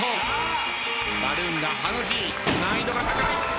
バルーンがハの字難易度が高い。